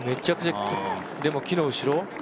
でも木の後ろ？